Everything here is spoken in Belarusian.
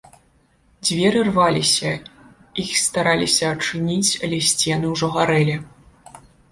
Дзверы рваліся, іх стараліся адчыніць, але сцены ўжо гарэлі.